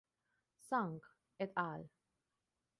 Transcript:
Zhang "et al.